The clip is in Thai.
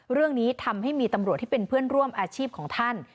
เรื่องนี้ทำให้มีตำรวจที่เป็นเพื่อนร่วมอาชีพของท่าน